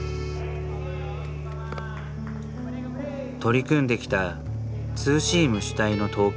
取り組んできたツーシーム主体の投球。